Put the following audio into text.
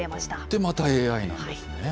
でまたＡＩなんですね。